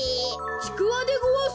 ちくわでごわす！